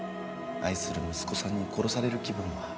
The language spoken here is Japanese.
愛する息子さんに殺される気分は。